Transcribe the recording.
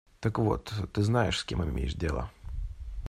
Так вот, ты знаешь, с кем имеешь дело.